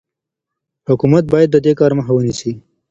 حکومت باید د دې کار مخه ونیسي.